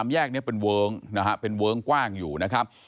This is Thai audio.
แยกนี้เป็นเวิ้งนะฮะเป็นเวิ้งกว้างอยู่นะครับ